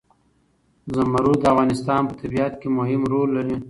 زمرد د افغانستان په طبیعت کې مهم رول لري.